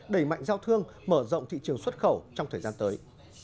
đẩy mạnh giao thương mở rộng thị trường xuất khẩu trong thời gian tới